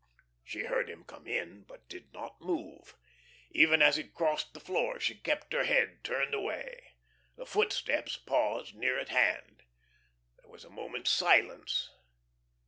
She heard him come in, but did not move. Even as he crossed the floor she kept her head turned away. The footsteps paused near at hand. There was a moment's silence.